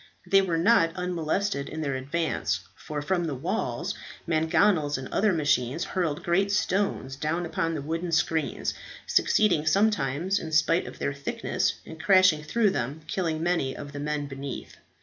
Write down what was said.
They were not unmolested in their advance, for, from the walls, mangonels and other machines hurled great stones down upon the wooden screens, succeeding sometimes, in spite of their thickness, in crashing through them, killing many of the men beneath.